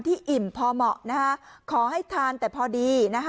ที่อิ่มพอเหมาะขอให้ทานแต่พอดี